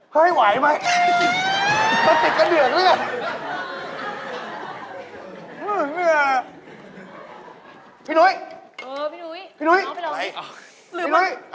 เฮ้ยนี่อื้อฮือเป็นไงน่ะ